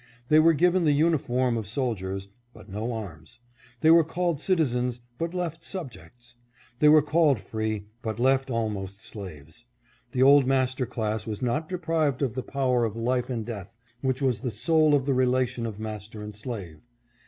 They were given the uniform of soldiers, but no arms ; they were called citizens, but left subjects ; they were called free, but left almost slaves. The old master class was not deprived of the power of life and death, which was 612 GOOD IN DESIGN BUT VIRTUALLY NULLIFIED. the soul of the relation of master and slave.